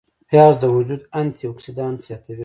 پیاز د وجود انتي اوکسیدانت زیاتوي